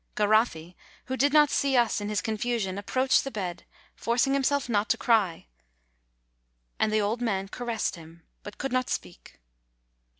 Garoffi, who did not see us in his confusion, ap proached the bed, forcing himself not to cry; and the old man caressed him, but could not speak.